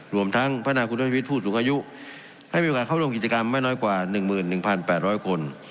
รวมทั้งพัฒนาคุณภาพชีวิตผู้สูงอายุให้มีโอกาสเข้าร่วมกิจกรรมไม่น้อยกว่า๑๑๘๐๐คน